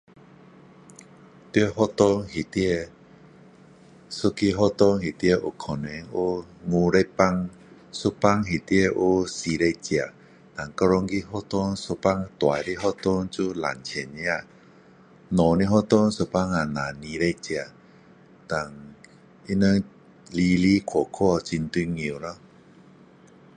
在学校里面，一个学校里面有可能有50班，一班里面有40个。然后，整间学校一般大的学校有2000个，小的学校一般下只有20个。然后他们来来去去很重要咯。